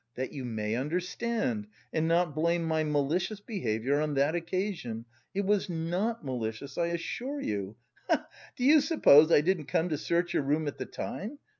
That you may understand, and not blame my malicious behaviour on that occasion. It was not malicious, I assure you, he he! Do you suppose I didn't come to search your room at the time?